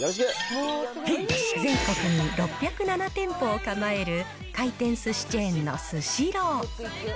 全国に６０７店舗を構える回転すしチェーンのスシロー。